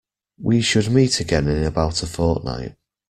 We should meet again in about a fortnight